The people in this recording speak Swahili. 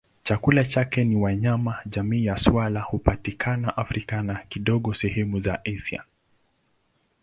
Chakula chake ni wanyama jamii ya swala hupatikana Afrika na kidogo sehemu za Asia.